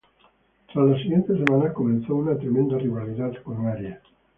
Tras las siguientes semanas, comenzó una tremenda rivalidad con Aries.